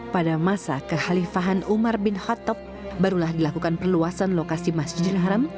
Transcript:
pada masa kehalifahan umar bin khattab barulah dilakukan perluasan lokasi masjidil haram